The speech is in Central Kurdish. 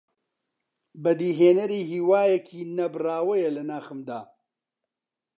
بەدیهێنەری هیوایەکی نەبڕاوەیە لە ناخماندا